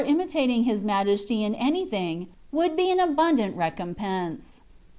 of OUT imitating His Majesty in anything would be an abundant recompense.